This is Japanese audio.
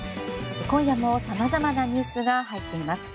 今夜もさまざまなニュースが入っています。